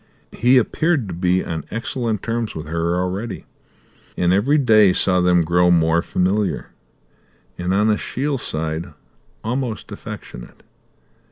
He appeared to be on excellent terms with her already, and every day saw them grow more familiar, and, on Ashiel's side, almost affectionate.